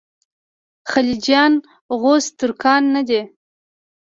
خلجیان غوز ترکان نه دي.